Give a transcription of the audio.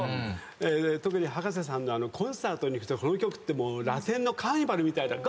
特に葉加瀬さんのコンサートに行くとこの曲ってラテンのカーニバルみたいな。